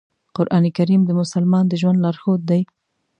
قرآن کریم د مسلمان د ژوند لارښود دی.